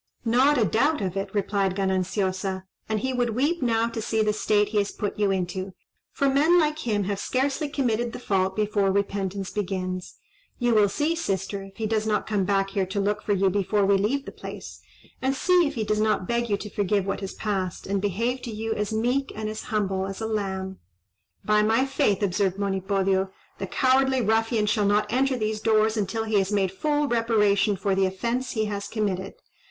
"Not a doubt of it," replied Gananciosa; "and he would weep now to see the state he has put you into: for men like him have scarcely committed the fault before repentance begins. You will see, sister, if he does not come here to look for you before we leave the place; and see if he does not beg you to forgive what has passed, and behave to you as meek and as humble as a lamb." "By my faith," observed Monipodio, "the cowardly ruffian shall not enter these doors until he has made full reparation for the offence he has committed.